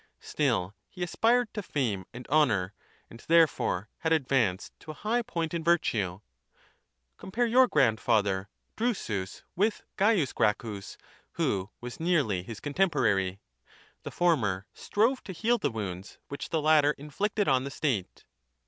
Still he aspired to fame and honour, and therefore had advanced to a high point in virtue. 56 Compare your grandfather 0rusus with Gaius Ti Gracchus, who was nearly his contemporary. The ^ former strove to heal the wounds which the latter '^ inflicted on the state.